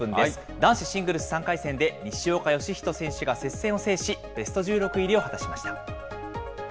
男子シングルス３回戦で、西岡良仁選手が接戦を制し、ベスト１６入りを果たしました。